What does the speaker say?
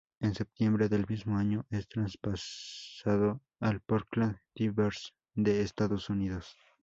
En septiembre del mismo año, es traspasado al Portland Timbers de Estados Unidos.